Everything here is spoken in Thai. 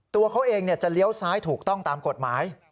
ตัวเขาเองจะเลี้ยวซ้ายถูกต้องตามกฎหมาย